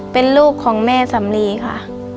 เป็นลูกของแม่สำลีค่ะ